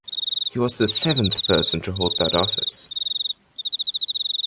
He was the seventh person to hold that office.